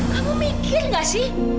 kamu mikir gak sih